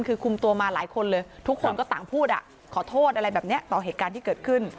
คือคุมตัวมาหลายคนเลยทุกคนก็ต่างพูดขอโทษอะไรแบบนี้ต่อเหตุการณ์ที่เกิดขึ้น